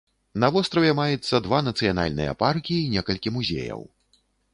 На востраве маецца два нацыянальныя паркі і некалькі музеяў.